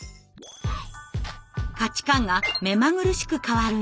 価値観が目まぐるしく変わる